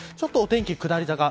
ちょっと、お天気下り坂。